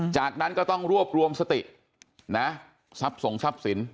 จากนั้นก็ต้องรวบรวมสตินะทรัพย์ส่งทรัพย์สิน